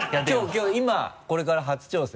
きょう今これから初挑戦？